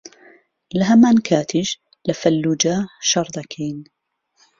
لەهەمان کاتیش لە فەللوجە شەڕ دەکەین